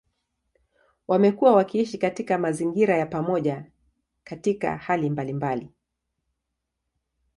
Wamekuwa wakiishi katika mazingira ya pamoja katika hali mbalimbali.